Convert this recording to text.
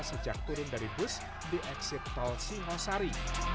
sejak turun dari bus di exit tol singosari